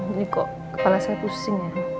ini kok kepala saya pusing ya